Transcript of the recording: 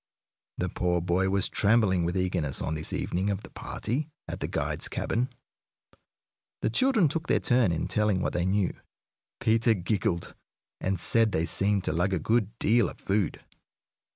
The poor boy was trembling with eagerness on this evening of the party at the guide's cabin. The children took their turn in telling what they knew. Peter giggled, and said they seemed to lug a good deal of food.